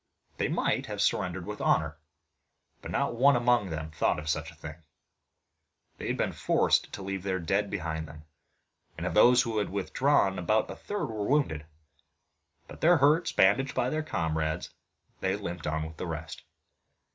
They might have surrendered with honor, but not one among them thought of such a thing. They had been forced to leave their dead behind them, and of those who had withdrawn about a third were wounded. But, their hurts bandaged by their comrades, they limped on with the rest.